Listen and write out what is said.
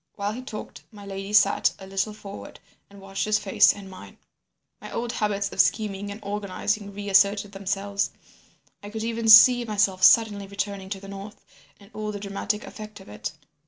While he talked, my lady sat a little forward and watched his face and mine. "My old habits of scheming and organising reasserted themselves. I could even see myself suddenly returning to the north, and all the dramatic effect of it.